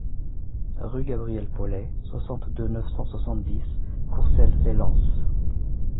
Rue Gabriel Pollet, soixante-deux, neuf cent soixante-dix Courcelles-lès-Lens